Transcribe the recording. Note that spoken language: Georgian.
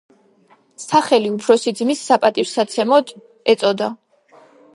სახელი უფროსი ძმის საპატივსაცემლოდ ეწოდა.